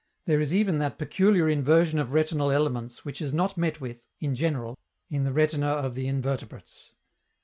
There is even that peculiar inversion of retinal elements which is not met with, in general, in the retina of the invertebrates.